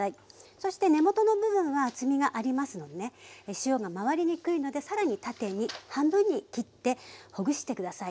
そして根元の部分は厚みがありますので塩が回りにくいので更に縦に半分に切ってほぐして下さい。